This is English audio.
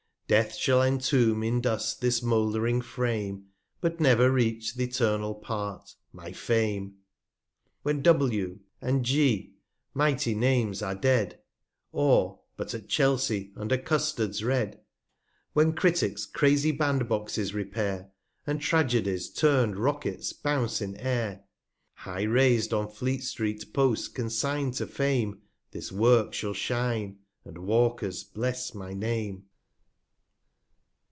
Death shall entomb in Dust this mould'ring Frame, But never reach th' eternal Part, my Fame. 410 4 8 TR I When W * and G* *, mighty Names, are dead; Or but at Chelsea under Custards read; When Criticks crazy Bandboxes repair, And Tragedies, turn'd Rockets, bounce in Air; 414 rTIigh rais'd on Fleetstreet Posts, consign'd to Fame, This Work shall shine, and Walkers bless my Name.